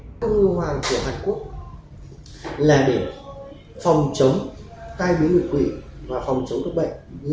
ăn cung nghiêu hoàng hoàn của hàn quốc là để phòng chống tai biến người quỷ và phòng chống bệnh viện